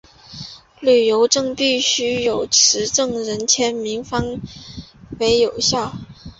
旅行证必须有持证人签名方为有效。